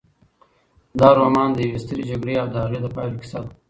دا رومان د یوې سترې جګړې او د هغې د پایلو کیسه ده.